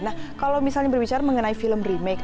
nah kalau misalnya berbicara mengenai film remake